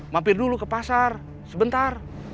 mampir dulu ke pasar sebentar